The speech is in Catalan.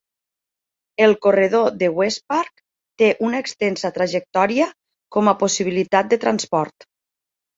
El corredor de Westpark té una extensa trajectòria com a possibilitat de transport.